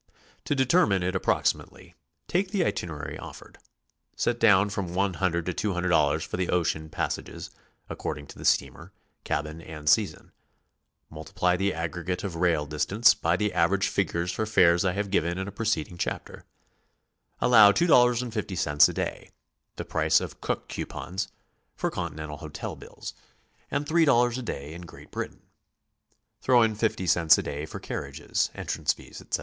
To determine it approximately, take the itinerary offered; set down from $too to $200 for the ocean passages, according to the steamer, cabin and season; multiply the aggregate of rail distance by the average figures for fares I have given in a preceding cdiapter; allow $2.50 a day, the price of Cook coupons, for HOW TO SEE. 179 Continental hotel bills, and $3 a day in Great Britain; throw in 50 cents a day for carriages, entrance fees, etc.